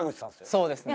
そうですね